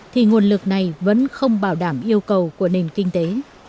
thì nguồn lực này vẫn không bảo đảm yêu cầu của nền kinh tế